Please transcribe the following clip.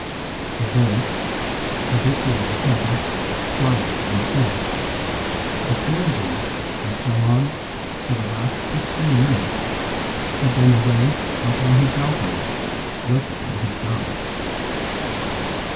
A voice, habitually heavy, quiet and full, assured him that Kalon for the last fifteen minutes had been away up on his balcony worshipping his god.